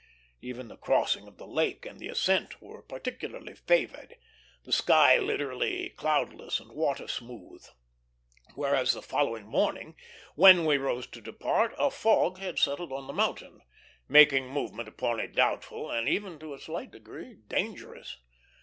Even the crossing of the lake and the ascent were particularly favored, the sky literally cloudless and water smooth; whereas the following morning, when we rose to depart, a fog had settled on the mountain, making movement upon it doubtful and even to a slight degree dangerous.